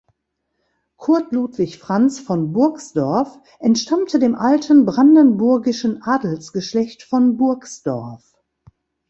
Curt Ludwig Franz von Burgsdorff entstammte dem alten brandenburgischen Adelsgeschlecht von Burgsdorff.